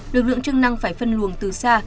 lực lượng chức năng phải phân luồng từ xa